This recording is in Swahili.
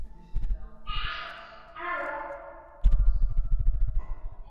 Hadi mwaka wa elfu moja mia tisa tisini na tano